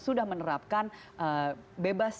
sudah menerapkan bebas